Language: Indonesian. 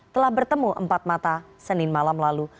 telah bertemu empat mata senin malam lalu